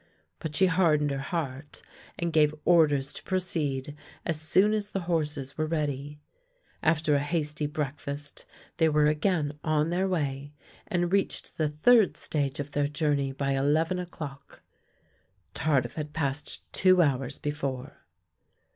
But she hardened her heart and gave orders to proceed as soon as the horses were ready. After a hasty breakfast they were again on their way, and reached the third stage of their journey by eleven o'clock. Tardif had passed two hours before.